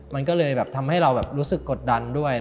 มันก็เลยแบบทำให้เราแบบรู้สึกกดดันด้วย